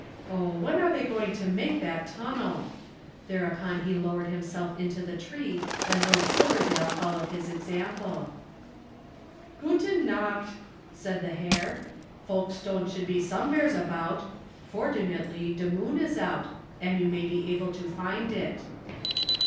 Oh, when are they going to make that tunnel?" Thereupon he lowered himself into the tree, and Lord Silverdale followed his example. [Illustration: Coming Down from the Clouds.] "Guten nacht!" said the Herr. "Folkestone should be someveres about. Fordunately, de moon is out, and you may be able to find it!"